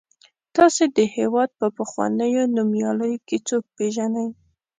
تاسې د هېواد په پخوانیو نومیالیو کې څوک پیژنئ.